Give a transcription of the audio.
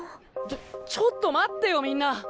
ちょちょっと待ってよみんな。